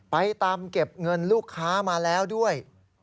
ไปตามเก็บเงินลูกค้ามาแล้วด้วย